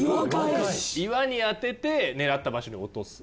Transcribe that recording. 岩に当てて狙った場所に落とす。